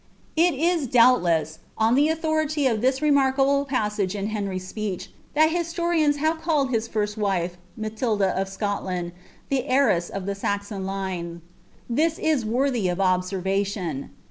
' It is, dmibltesi, on the authority of this remarkable passage in Henij'i rech, that historians have called his first wife, Matilda of ScollaWi heiress of the Saion line. This is worthy of observation.